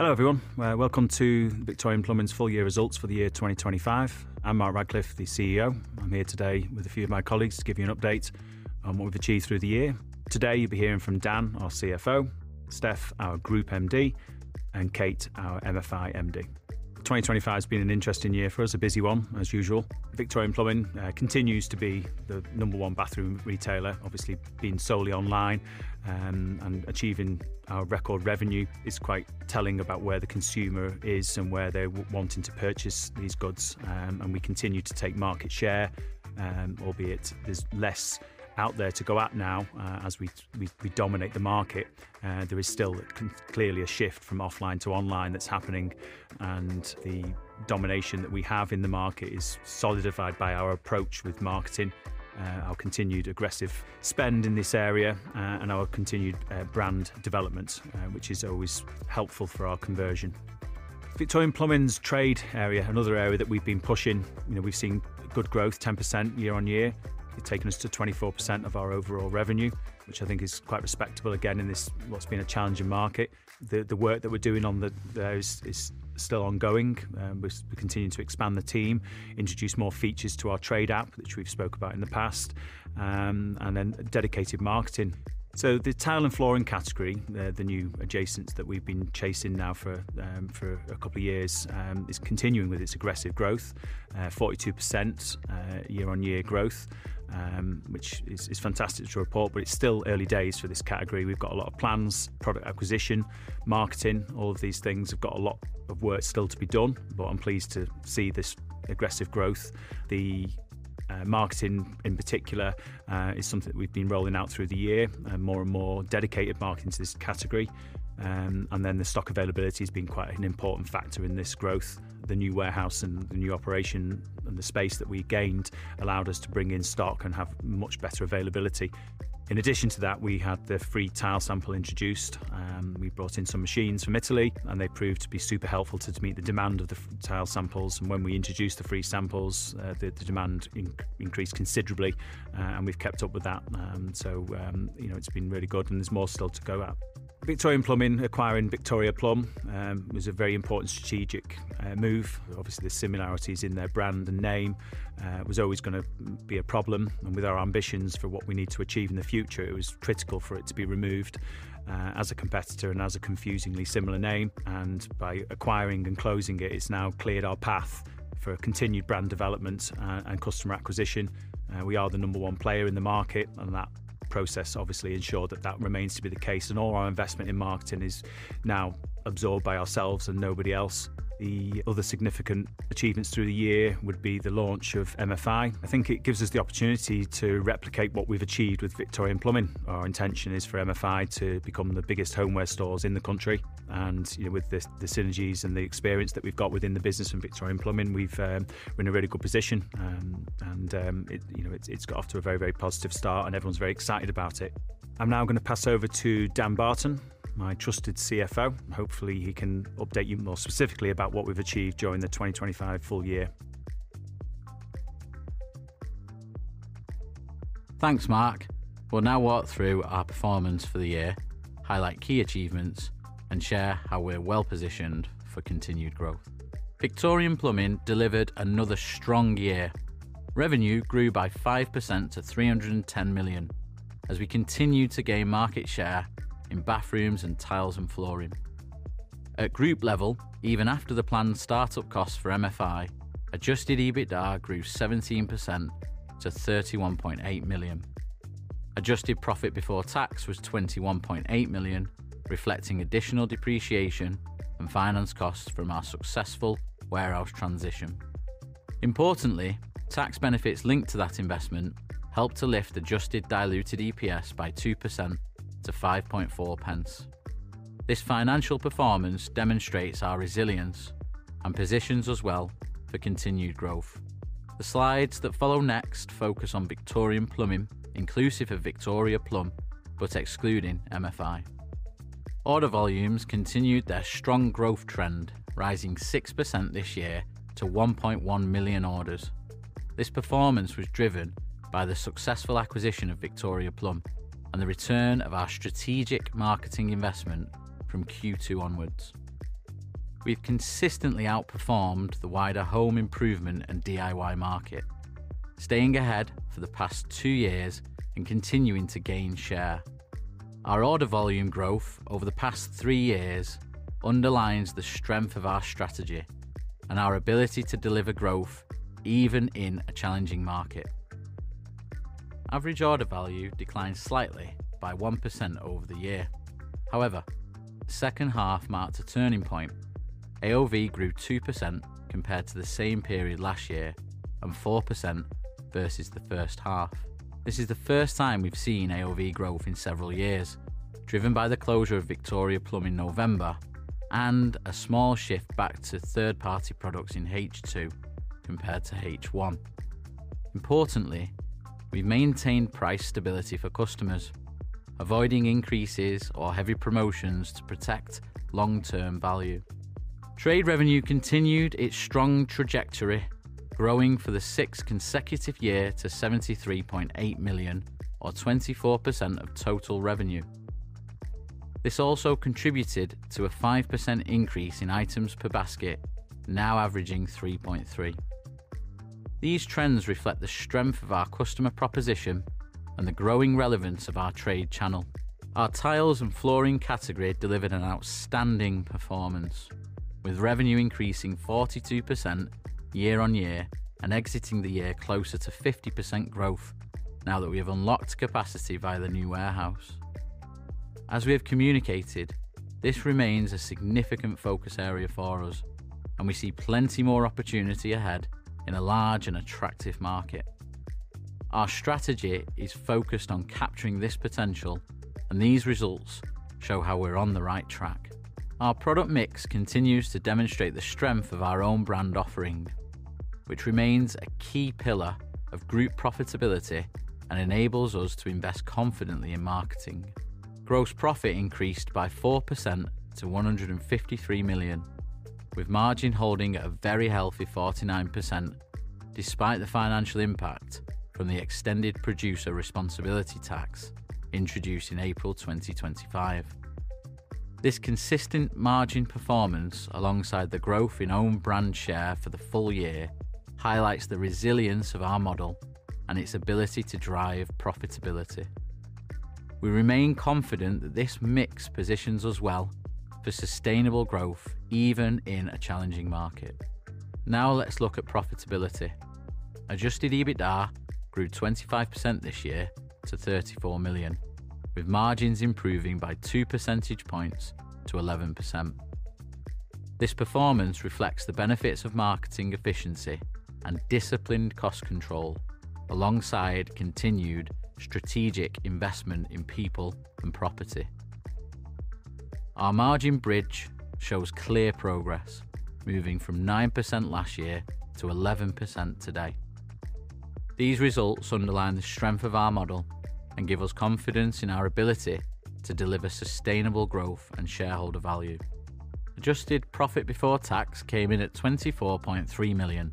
Hello everyone, welcome to the Victorian Plumbing's Full Year Results for the Year 2025. I'm Mark Radcliffe, the CEO. I'm here today with a few of my colleagues to give you an update on what we've achieved through the year. Today you'll be hearing from Dan, our CFO, Steph, our Group MD, and Kate, our MFI MD. 2025 has been an interesting year for us, a busy one as usual. Victorian Plumbing continues to be the number one bathroom retailer, obviously being solely online, and achieving our record revenue is quite telling about where the consumer is and where they're wanting to purchase these goods, and we continue to take market share, albeit there's less out there to go at now as we dominate the market. There is still clearly a shift from offline to online that's happening, and the domination that we have in the market is solidified by our approach with marketing, our continued aggressive spend in this area, and our continued brand development, which is always helpful for our conversion. Victorian Plumbing's trade area, another area that we've been pushing, you know, we've seen good growth, 10% year-on-year. It's taken us to 24% of our overall revenue, which I think is quite respectable again in this, what's been a challenging market. The work that we're doing on those is still ongoing. We continue to expand the team, introduce more features to our trade app, which we've spoke about in the past, and then dedicated marketing. So the tile and flooring category, the new adjacency that we've been chasing now for a couple of years, is continuing with its aggressive growth, 42% year-on-year growth, which is fantastic to report, but it's still early days for this category. We've got a lot of plans, product acquisition, marketing, all of these things have got a lot of work still to be done, but I'm pleased to see this aggressive growth. The marketing in particular is something that we've been rolling out through the year, more and more dedicated marketing to this category, and then the stock availability has been quite an important factor in this growth. The new warehouse and the new operation and the space that we gained allowed us to bring in stock and have much better availability. In addition to that, we had the free tile sample introduced. We brought in some machines from Italy, and they proved to be super helpful to meet the demand of the tile samples. And when we introduced the free samples, the demand increased considerably, and we've kept up with that. So, you know, it's been really good, and there's more still to go at. Victorian Plumbing acquiring Victoria Plum was a very important strategic move. Obviously, the similarities in their brand and name were always going to be a problem, and with our ambitions for what we need to achieve in the future, it was critical for it to be removed as a competitor and as a confusingly similar name. And by acquiring and closing it, it's now cleared our path for continued brand development and customer acquisition. We are the number one player in the market, and that process obviously ensured that that remains to be the case, and all our investment in marketing is now absorbed by ourselves and nobody else. The other significant achievements through the year would be the launch of MFI. I think it gives us the opportunity to replicate what we've achieved with Victorian Plumbing. Our intention is for MFI to become the biggest homeware stores in the country, and you know, with the synergies and the experience that we've got within the business and Victorian Plumbing, we've been in a really good position, and you know, it's got off to a very, very positive start, and everyone's very excited about it. I'm now going to pass over to Dan Barton, my trusted CFO. Hopefully, he can update you more specifically about what we've achieved during the 2025 full year. Thanks, Mark. We'll now walk through our performance for the year, highlight key achievements, and share how we're well positioned for continued growth. Victorian Plumbing delivered another strong year. Revenue grew by 5% to 310 million as we continued to gain market share in bathrooms and tiles and flooring. At group level, even after the planned startup costs for MFI, adjusted EBITDA grew 17% to 31.8 million. Adjusted profit before tax was 21.8 million, reflecting additional depreciation and finance costs from our successful warehouse transition. Importantly, tax benefits linked to that investment helped to lift adjusted diluted EPS by 2% to 5.4. This financial performance demonstrates our resilience and positions us well for continued growth. The slides that follow next focus on Victorian Plumbing, inclusive of Victoria Plumb, but excluding MFI. Order volumes continued their strong growth trend, rising 6% this year to 1.1 million orders. This performance was driven by the successful acquisition of Victoria Plumb and the return of our strategic marketing investment from Q2 onwards. We've consistently outperformed the wider home improvement and DIY market, staying ahead for the past two years and continuing to gain share. Our order volume growth over the past three years underlines the strength of our strategy and our ability to deliver growth even in a challenging market. Average order value declined slightly by 1% over the year. However, the second half marked a turning point. AOV grew 2% compared to the same period last year and 4% versus the first half. This is the first time we've seen AOV growth in several years, driven by the closure of Victoria Plumb in November and a small shift back to third-party products in H2 compared to H1. Importantly, we've maintained price stability for customers, avoiding increases or heavy promotions to protect long-term value. Trade revenue continued its strong trajectory, growing for the sixth consecutive year to 73.8 million, or 24% of total revenue. This also contributed to a 5% increase in items per basket, now averaging 3.3. These trends reflect the strength of our customer proposition and the growing relevance of our trade channel. Our tiles and flooring category delivered an outstanding performance, with revenue increasing 42% year-on-year and exiting the year closer to 50% growth now that we have unlocked capacity via the new warehouse. As we have communicated, this remains a significant focus area for us, and we see plenty more opportunity ahead in a large and attractive market. Our strategy is focused on capturing this potential, and these results show how we're on the right track. Our product mix continues to demonstrate the strength of our own brand offering, which remains a key pillar of group profitability and enables us to invest confidently in marketing. Gross profit increased by 4% to 153 million, with margin holding at a very healthy 49% despite the financial impact from the Extended Producer Responsibility tax introduced in April 2025. This consistent margin performance, alongside the growth in own brand share for the full year, highlights the resilience of our model and its ability to drive profitability. We remain confident that this mix positions us well for sustainable growth even in a challenging market. Now let's look at profitability. Adjusted EBITDA grew 25% this year to 34 million, with margins improving by 2 percentage points to 11%. This performance reflects the benefits of marketing efficiency and disciplined cost control, alongside continued strategic investment in people and property. Our margin bridge shows clear progress, moving from 9% last year to 11% today. These results underline the strength of our model and give us confidence in our ability to deliver sustainable growth and shareholder value. Adjusted profit before tax came in at 24.3 million,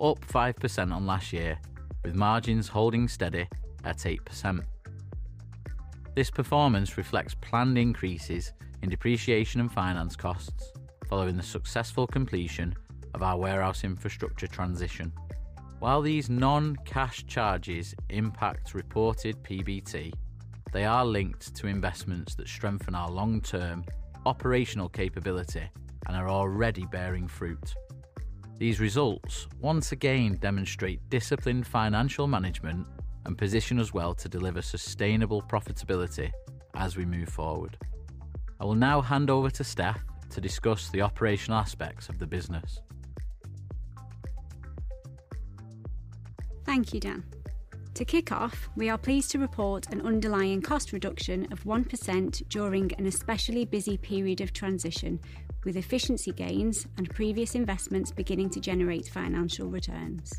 up 5% on last year, with margins holding steady at 8%. This performance reflects planned increases in depreciation and finance costs following the successful completion of our warehouse infrastructure transition. While these non-cash charges impact reported PBT, they are linked to investments that strengthen our long-term operational capability and are already bearing fruit. These results once again demonstrate disciplined financial management and position us well to deliver sustainable profitability as we move forward. I will now hand over to Steph to discuss the operational aspects of the business. Thank you, Dan. To kick off, we are pleased to report an underlying cost reduction of 1% during an especially busy period of transition, with efficiency gains and previous investments beginning to generate financial returns.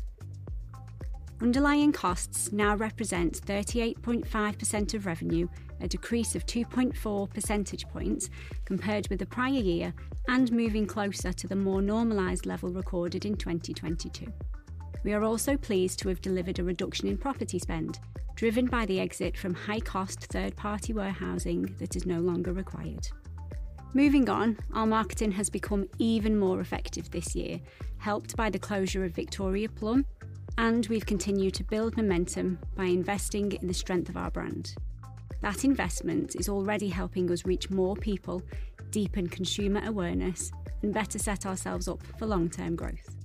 Underlying costs now represent 38.5% of revenue, a decrease of 2.4 percentage points compared with the prior year and moving closer to the more normalized level recorded in 2022. We are also pleased to have delivered a reduction in property spend, driven by the exit from high-cost third-party warehousing that is no longer required. Moving on, our marketing has become even more effective this year, helped by the closure of Victoria Plumb, and we've continued to build momentum by investing in the strength of our brand. That investment is already helping us reach more people, deepen consumer awareness, and better set ourselves up for long-term growth.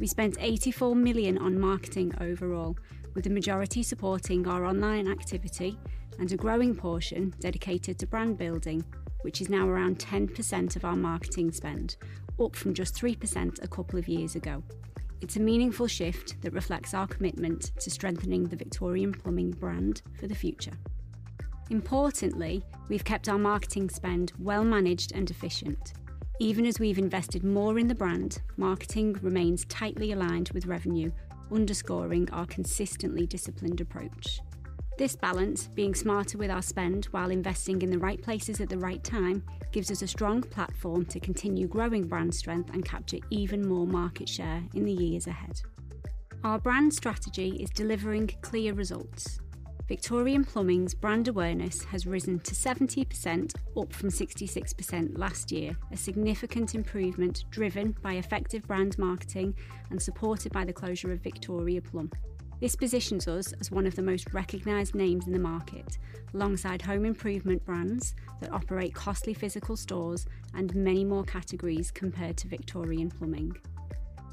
We spent 84 million on marketing overall, with the majority supporting our online activity and a growing portion dedicated to brand building, which is now around 10% of our marketing spend, up from just 3% a couple of years ago. It's a meaningful shift that reflects our commitment to strengthening the Victorian Plumbing brand for the future. Importantly, we've kept our marketing spend well-managed and efficient. Even as we've invested more in the brand, marketing remains tightly aligned with revenue, underscoring our consistently disciplined approach. This balance, being smarter with our spend while investing in the right places at the right time, gives us a strong platform to continue growing brand strength and capture even more market share in the years ahead. Our brand strategy is delivering clear results. Victorian Plumbing's brand awareness has risen to 70%, up from 66% last year, a significant improvement driven by effective brand marketing and supported by the closure of Victoria Plumb. This positions us as one of the most recognized names in the market, alongside home improvement brands that operate costly physical stores and many more categories compared to Victorian Plumbing.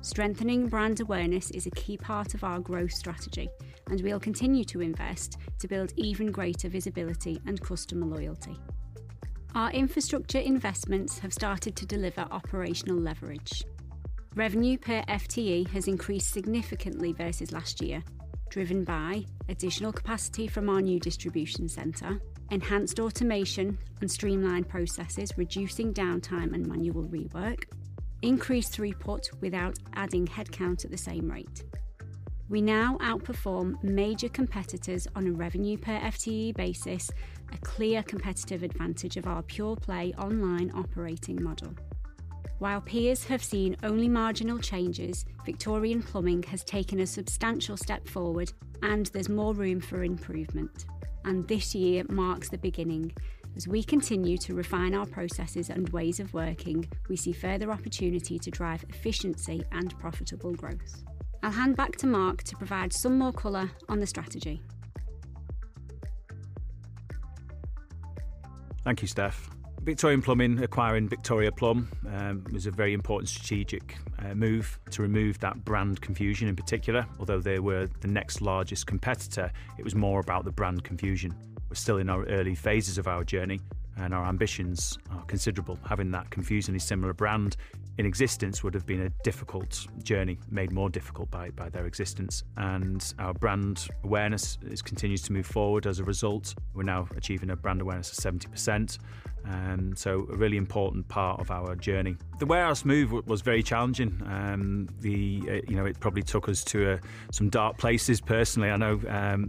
Strengthening brand awareness is a key part of our growth strategy, and we'll continue to invest to build even greater visibility and customer loyalty. Our infrastructure investments have started to deliver operational leverage. Revenue per FTE has increased significantly versus last year, driven by additional capacity from our new distribution center, enhanced automation and streamlined processes, reducing downtime and manual rework, increased throughput without adding headcount at the same rate. We now outperform major competitors on a revenue per FTE basis, a clear competitive advantage of our pure-play online operating model. While peers have seen only marginal changes, Victorian Plumbing has taken a substantial step forward, and there's more room for improvement, and this year marks the beginning. As we continue to refine our processes and ways of working, we see further opportunity to drive efficiency and profitable growth. I'll hand back to Mark to provide some more color on the strategy. Thank you, Steph. Victorian Plumbing, acquiring Victoria Plumb, was a very important strategic move to remove that brand confusion in particular. Although they were the next largest competitor, it was more about the brand confusion. We're still in our early phases of our journey, and our ambitions are considerable. Having that confusion in a similar brand in existence would have been a difficult journey, made more difficult by their existence. And our brand awareness continues to move forward as a result. We're now achieving a brand awareness of 70%, so a really important part of our journey. The warehouse move was very challenging. You know, it probably took us to some dark places. Personally, I know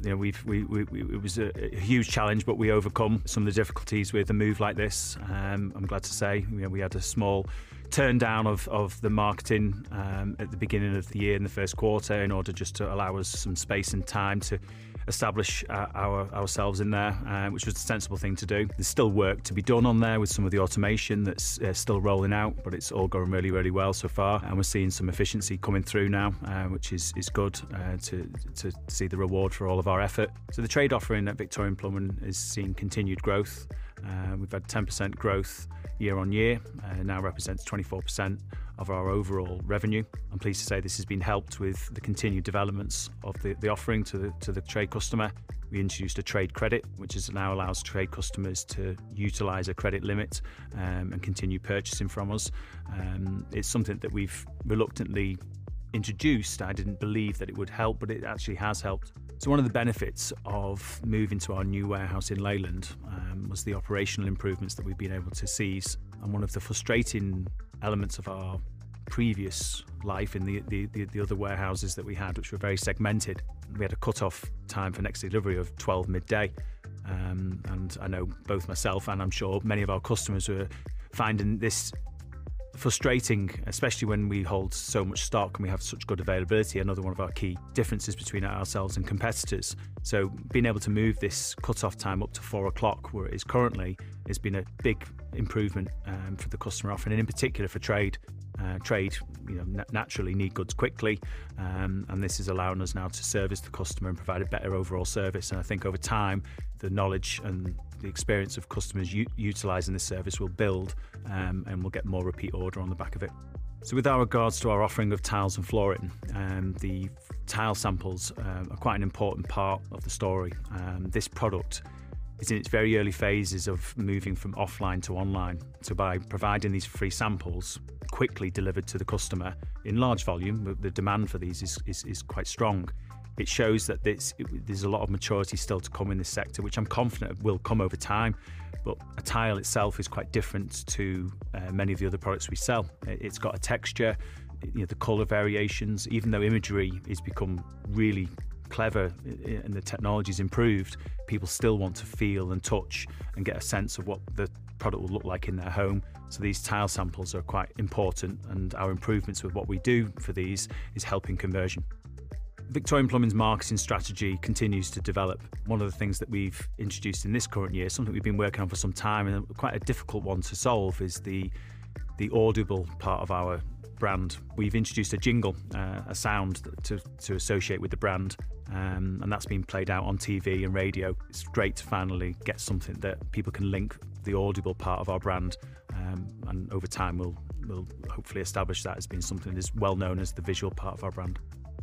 it was a huge challenge, but we overcome some of the difficulties with a move like this. I'm glad to say we had a small turndown of the marketing at the beginning of the year in the first quarter in order just to allow us some space and time to establish ourselves in there, which was a sensible thing to do. There's still work to be done on there with some of the automation that's still rolling out, but it's all going really, really well so far, and we're seeing some efficiency coming through now, which is good to see the reward for all of our effort, so the trade offering that Victorian Plumbing is seeing continued growth. We've had 10% growth year-on-year, now represents 24% of our overall revenue. I'm pleased to say this has been helped with the continued developments of the offering to the trade customer. We introduced a trade credit, which now allows trade customers to utilize a credit limit and continue purchasing from us. It's something that we've reluctantly introduced. I didn't believe that it would help, but it actually has helped. So one of the benefits of moving to our new warehouse in Leyland was the operational improvements that we've been able to seize. And one of the frustrating elements of our previous life in the other warehouses that we had, which were very segmented, we had a cutoff time for next delivery of 12:00 P.M. And I know both myself and I'm sure many of our customers were finding this frustrating, especially when we hold so much stock and we have such good availability. Another one of our key differences between ourselves and competitors. Being able to move this cutoff time up to 4:00 P.M., where it is currently, has been a big improvement for the customer offering, and in particular for trade. Trade naturally needs goods quickly, and this is allowing us now to service the customer and provide a better overall service. I think over time, the knowledge and the experience of customers utilizing this service will build, and we'll get more repeat order on the back of it. With regards to our offering of tiles and flooring, the tile samples are quite an important part of the story. This product is in its very early phases of moving from offline to online. By providing these free samples quickly delivered to the customer in large volume, the demand for these is quite strong. It shows that there's a lot of maturity still to come in this sector, which I'm confident will come over time. But a tile itself is quite different to many of the other products we sell. It's got a texture, the color variations. Even though imagery has become really clever and the technology has improved, people still want to feel and touch and get a sense of what the product will look like in their home. So these tile samples are quite important, and our improvements with what we do for these is helping conversion. Victorian Plumbing's marketing strategy continues to develop. One of the things that we've introduced in this current year, something we've been working on for some time and quite a difficult one to solve, is the audible part of our brand. We've introduced a jingle, a sound to associate with the brand, and that's been played out on TV and radio. It's great to finally get something that people can link the audible part of our brand. And over time, we'll hopefully establish that as being something that is well known as the visual part of our brand.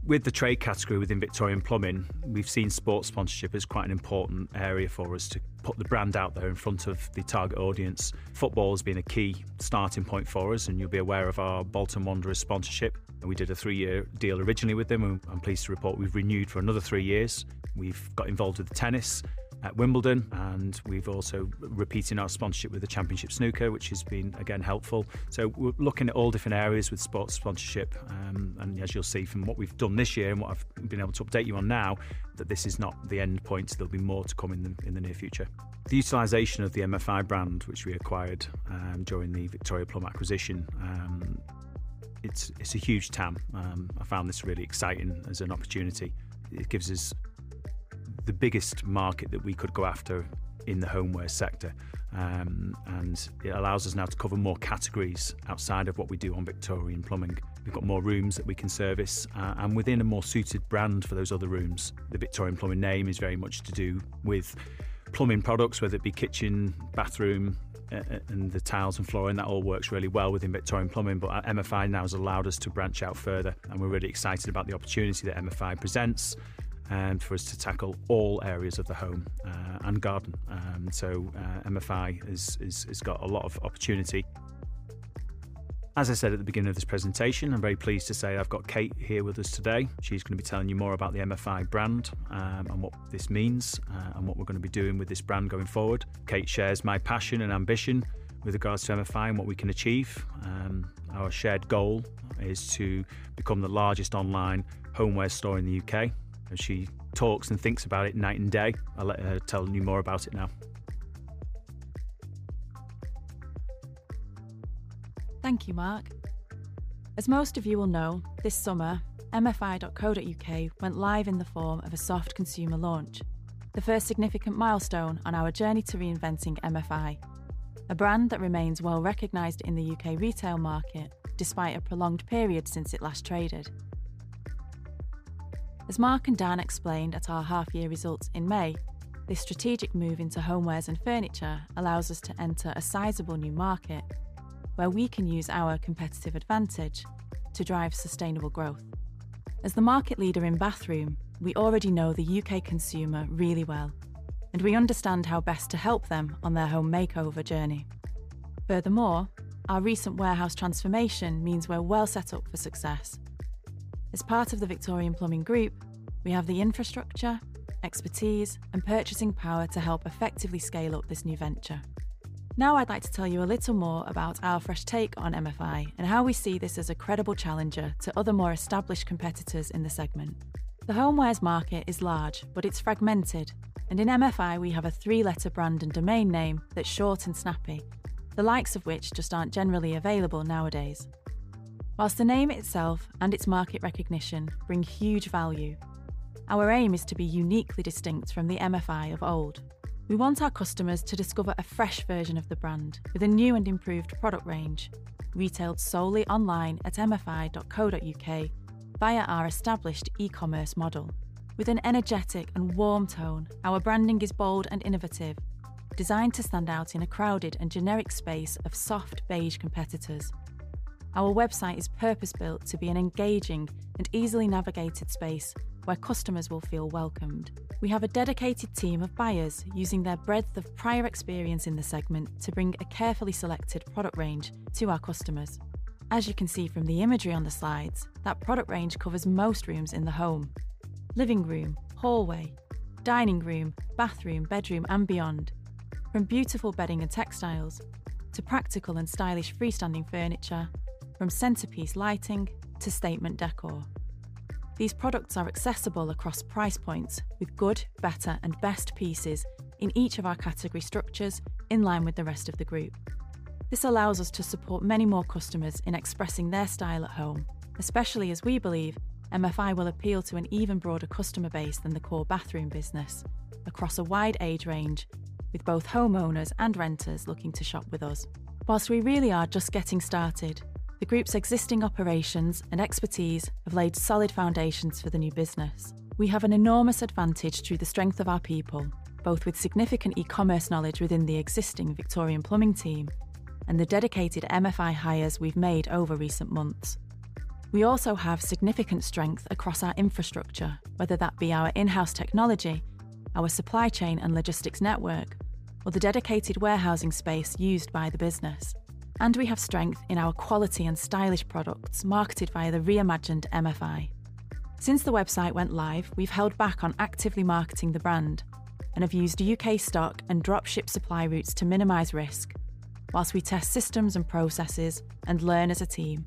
With the trade category within Victorian Plumbing, we've seen sports sponsorship as quite an important area for us to put the brand out there in front of the target audience. Football has been a key starting point for us, and you'll be aware of our Bolton Wanderers sponsorship. We did a three-year deal originally with them. I'm pleased to report we've renewed for another three years. We've got involved with tennis at Wimbledon, and we've also repeated our sponsorship with the Championship Snooker, which has been again helpful. We're looking at all different areas with sports sponsorship. As you'll see from what we've done this year and what I've been able to update you on now, this is not the end point. There'll be more to come in the near future. The utilization of the MFI brand, which we acquired during the Victoria Plumb acquisition, it's a huge TAM. I found this really exciting as an opportunity. It gives us the biggest market that we could go after in the homeware sector, and it allows us now to cover more categories outside of what we do on Victorian Plumbing. We've got more rooms that we can service, and within a more suited brand for those other rooms. The Victorian Plumbing name is very much to do with plumbing products, whether it be kitchen, bathroom, and the tiles and flooring. That all works really well within Victorian Plumbing, but MFI now has allowed us to branch out further, and we're really excited about the opportunity that MFI presents for us to tackle all areas of the home and garden. So MFI has got a lot of opportunity. As I said at the beginning of this presentation, I'm very pleased to say I've got Kate here with us today. She's going to be telling you more about the MFI brand and what this means and what we're going to be doing with this brand going forward. Kate shares my passion and ambition with regards to MFI and what we can achieve. Our shared goal is to become the largest online homeware store in the U.K. She talks and thinks about it night and day. I'll let her tell you more about it now. Thank you, Mark. As most of you will know, this summer, mfi.co.uk went live in the form of a soft consumer launch, the first significant milestone on our journey to reinventing MFI, a brand that remains well recognized in the U.K. retail market despite a prolonged period since it last traded. As Mark and Dan explained at our half-year results in May, this strategic move into homewares and furniture allows us to enter a sizable new market where we can use our competitive advantage to drive sustainable growth. As the market leader in bathroom, we already know the U.K. consumer really well, and we understand how best to help them on their home makeover journey. Furthermore, our recent warehouse transformation means we're well set up for success. As part of the Victorian Plumbing Group, we have the infrastructure, expertise, and purchasing power to help effectively scale up this new venture. Now I'd like to tell you a little more about our fresh take on MFI and how we see this as a credible challenger to other more established competitors in the segment. The homewares market is large, but it's fragmented, and in MFI, we have a three-letter brand and domain name that's short and snappy, the likes of which just aren't generally available nowadays. While the name itself and its market recognition bring huge value, our aim is to be uniquely distinct from the MFI of old. We want our customers to discover a fresh version of the brand with a new and improved product range, retailed solely online at mfi.co.uk via our established e-commerce model. With an energetic and warm tone, our branding is bold and innovative, designed to stand out in a crowded and generic space of soft beige competitors. Our website is purpose-built to be an engaging and easily navigated space where customers will feel welcomed. We have a dedicated team of buyers using their breadth of prior experience in the segment to bring a carefully selected product range to our customers. As you can see from the imagery on the slides, that product range covers most rooms in the home: living room, hallway, dining room, bathroom, bedroom, and beyond. From beautiful bedding and textiles to practical and stylish freestanding furniture, from centerpiece lighting to statement décor. These products are accessible across price points with good, better, and best pieces in each of our category structures in line with the rest of the group. This allows us to support many more customers in expressing their style at home, especially as we believe MFI will appeal to an even broader customer base than the core bathroom business across a wide age range, with both homeowners and renters looking to shop with us. Whilst we really are just getting started, the group's existing operations and expertise have laid solid foundations for the new business. We have an enormous advantage through the strength of our people, both with significant e-commerce knowledge within the existing Victorian Plumbing team and the dedicated MFI hires we've made over recent months. We also have significant strength across our infrastructure, whether that be our in-house technology, our supply chain and logistics network, or the dedicated warehousing space used by the business, and we have strength in our quality and stylish products marketed via the reimagined MFI. Since the website went live, we've held back on actively marketing the brand and have used UK stock and dropship supply routes to minimize risk, while we test systems and processes and learn as a team.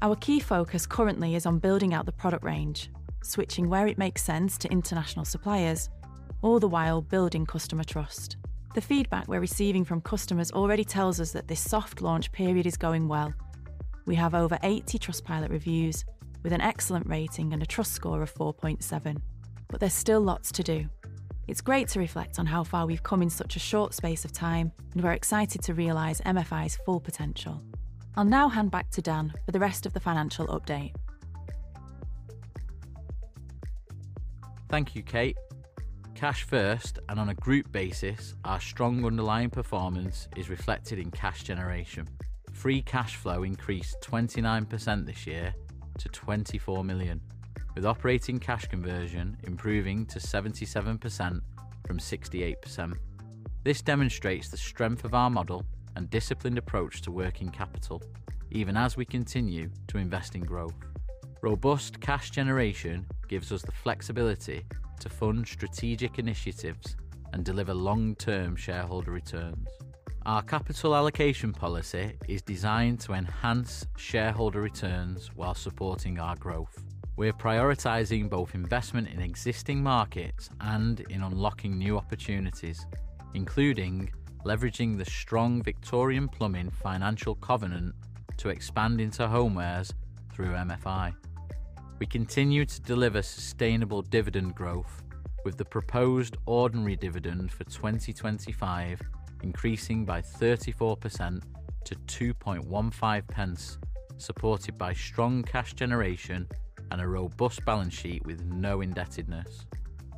Our key focus currently is on building out the product range, switching where it makes sense to international suppliers, all the while building customer trust. The feedback we're receiving from customers already tells us that this soft launch period is going well. We have over 80 Trustpilot reviews with an excellent rating and a Trust score of 4.7, but there's still lots to do. It's great to reflect on how far we've come in such a short space of time, and we're excited to realize MFI's full potential. I'll now hand back to Dan for the rest of the financial update. Thank you, Kate. Cash first, and on a group basis, our strong underlying performance is reflected in cash generation. Free cash flow increased 29% this year to 24 million, with operating cash conversion improving to 77% from 68%. This demonstrates the strength of our model and disciplined approach to working capital, even as we continue to invest in growth. Robust cash generation gives us the flexibility to fund strategic initiatives and deliver long-term shareholder returns. Our capital allocation policy is designed to enhance shareholder returns while supporting our growth. We're prioritizing both investment in existing markets and in unlocking new opportunities, including leveraging the strong Victorian Plumbing financial covenant to expand into homewares through MFI. We continue to deliver sustainable dividend growth, with the proposed ordinary dividend for 2025 increasing by 34% to 2.15, supported by strong cash generation and a robust balance sheet with no indebtedness.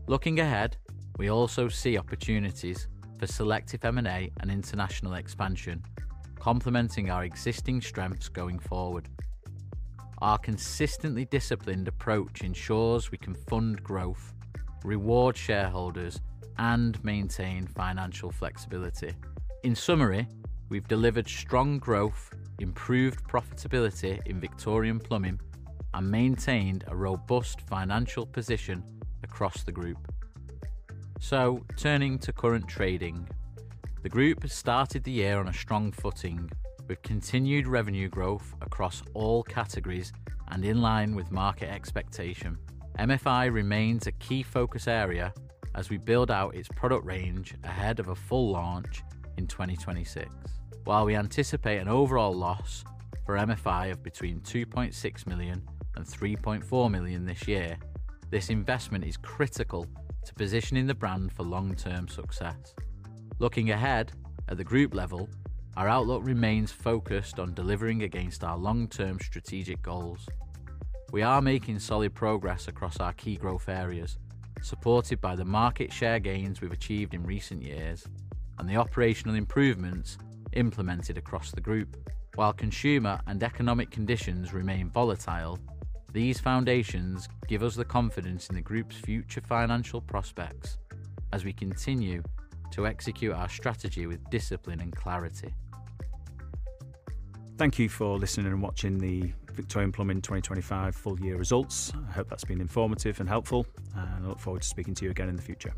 Looking ahead, we also see opportunities for selective M&A and international expansion, complementing our existing strengths going forward. Our consistently disciplined approach ensures we can fund growth, reward shareholders, and maintain financial flexibility. In summary, we've delivered strong growth, improved profitability in Victorian Plumbing, and maintained a robust financial position across the group. Turning to current trading, the group has started the year on a strong footing with continued revenue growth across all categories and in line with market expectation. MFI remains a key focus area as we build out its product range ahead of a full launch in 2026. While we anticipate an overall loss for MFI of between 2.6 million and 3.4 million this year, this investment is critical to positioning the brand for long-term success. Looking ahead at the group level, our outlook remains focused on delivering against our long-term strategic goals. We are making solid progress across our key growth areas, supported by the market share gains we've achieved in recent years and the operational improvements implemented across the group. While consumer and economic conditions remain volatile, these foundations give us the confidence in the group's future financial prospects as we continue to execute our strategy with discipline and clarity. Thank you for listening and watching the Victorian Plumbing 2025 Full Year Results. I hope that's been informative and helpful, and I look forward to speaking to you again in the future.